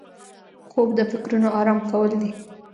خوب د فکرونو آرام کول دي